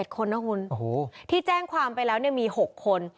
๗คนนะคุณที่แจ้งความไปแล้วมี๖คน